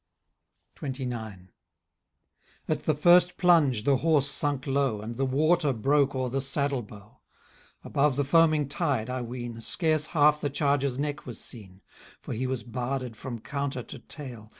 XXIX. At the first plunge the horse sunk low. And the water broke o'er the saddlebow ; Above the foaming tide, I ween. Scarce half the chaiger's neck was seen ; For he was barded* from counter to tail.